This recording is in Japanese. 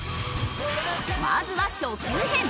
まずは初級編。